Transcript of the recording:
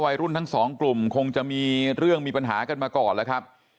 วัยรุ่นทั้งสองกลุ่มคงจะมีเรื่องมีปัญหากันมาก่อนแล้วครับ